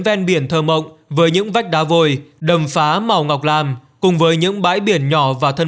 ven biển thơ mộng với những vách đá vồi đầm phá màu ngọc làm cùng với những bãi biển nhỏ và thân